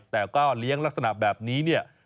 แต่ก็เลี้ยงลักษณะแบบนี้เนี่ย